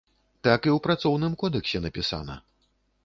Так і ў працоўным кодэксе напісана.